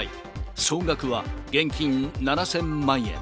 総額は現金７０００万円。